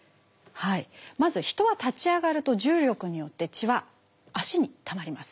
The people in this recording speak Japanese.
まず人は立ち上がると重力によって血は足にたまります。